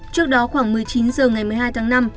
trước đó khoảng một mươi chín h ngày một mươi hai tháng năm